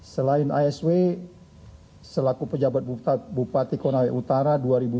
selain asw selaku pejabat bupati konawe utara